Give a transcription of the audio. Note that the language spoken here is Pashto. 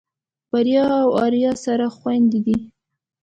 بريا او آريا سره خويندې دي.